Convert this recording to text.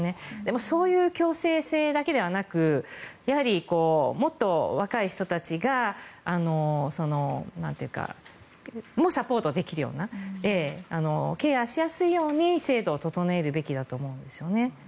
そういう強制性だけではなくやはりもっと若い人たちもサポートできるようなケアしやすいように制度を整えるべきだと思うんです。